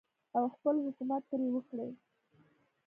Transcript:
او خپل حکومت پرې وکړي.